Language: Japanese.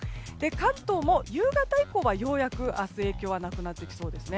関東も夕方以降はようやく明日影響はなくなってきそうです。